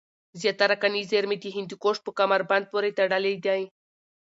زیاتره کاني زېرمي د هندوکش په کمربند پورې تړلې دی